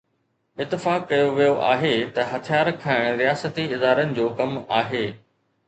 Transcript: اتفاق ڪيو ويو آهي ته هٿيار کڻڻ رياستي ادارن جو ڪم آهي.